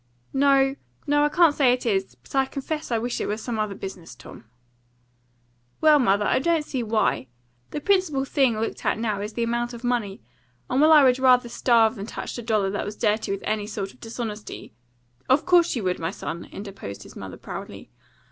"No, no, I can't say it is. But I confess I wish it was some other business, Tom." "Well, mother, I don't see why. The principal thing looked at now is the amount of money; and while I would rather starve than touch a dollar that was dirty with any sort of dishonesty " "Of course you would, my son!" interposed his mother proudly.